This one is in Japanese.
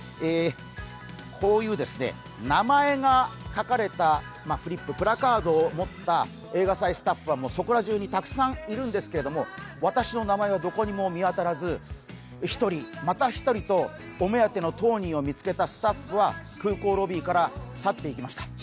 こういう名前が書かれたフリップ、プラカードを持った映画祭スタッフはそこら中にたくさんいるんですけれども私の名前はどこにも見当たらず一人、また一人とお目当ての当人を見つけたスタッフは空港ロビーから去っていきました。